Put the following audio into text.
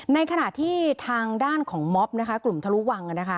ในขณะที่ทางด้านของม็อบนะคะกลุ่มทะลุวัง